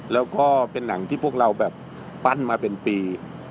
แล้วก็เป็นหนังที่พวกเราแบบปั้นมาเป็นปี